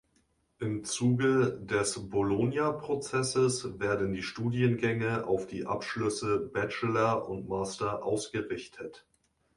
Im Zuge des Bologna-Prozesses werden die Studiengänge auf die Abschlüsse Bachelor und Master ausgerichtet.